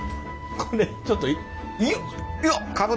これちょっといい？